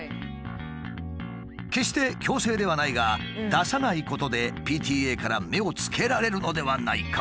決して強制ではないが出さないことでＰＴＡから目をつけられるのではないか。